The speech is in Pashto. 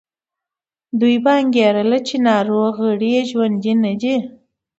دوی به انګېرله چې ناروغ غړي یې ژوندي نه دي.